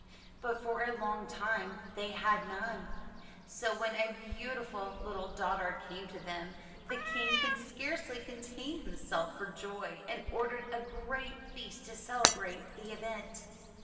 but for a long time they had none. So, when a beautiful little daughter came to them, the King could scarcely contain himself for joy and ordered a great feast to celebrate the event.